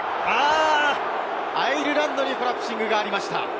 アイルランドにコラプシングがありました。